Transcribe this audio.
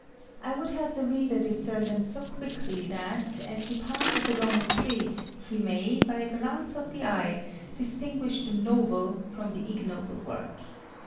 I would have the reader discern them so quickly that, as he passes along a street, he may, by a glance of the eye, distinguish the noble from the ignoble work.